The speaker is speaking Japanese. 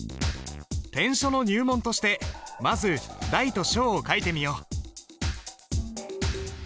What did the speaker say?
篆書の入門としてまず「大」と「小」を書いてみよう。